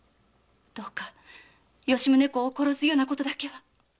どうか吉宗公を殺すようなことだけは！